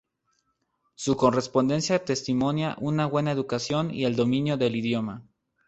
Su correspondencia testimonia una buena educación y el dominio del idioma.